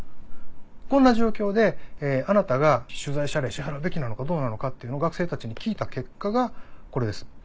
こんな状況であなたが取材謝礼支払うべきなのかどうなのかっていうのを学生たちに聞いた結果がこれです。